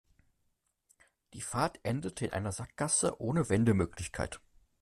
Die Fahrt endete in einer Sackgasse ohne Wendemöglichkeit.